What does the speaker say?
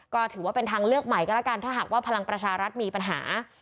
ก็ถือว่าเป็นทางเลือกใหม่ก็แล้วกันถ้าหากว่าพลังประชารัฐมีปัญหา